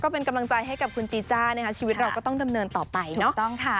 เป็นกำลังใจให้กับคุณจีจ้านะคะชีวิตเราก็ต้องดำเนินต่อไปเนาะ